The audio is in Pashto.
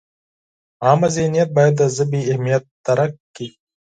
عامه ذهنیت باید د ژبې اهمیت درک کړي.